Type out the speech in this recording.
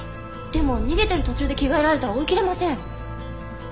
でも逃げてる途中で着替えられたら追いきれません。